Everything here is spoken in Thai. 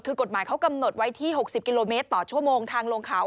คือกฎหมายเขากำหนดไว้ที่๖๐กิโลเมตรต่อชั่วโมงทางลงเขา